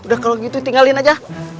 udah kalau gitu tinggalin aja